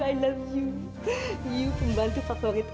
kamu adalah pembantu favoritku